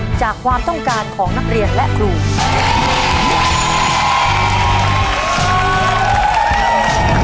จะมาจับมือกันต่อสู้เพื่อโรงเรียนที่รักของพวกเค้า